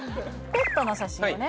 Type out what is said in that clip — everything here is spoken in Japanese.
ペットの写真をね